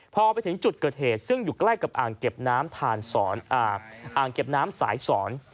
พอไปถึงจุดเกิดเหตุซึ่งอยู่ใกล้กับอ่างเก็บน้ำสายสอน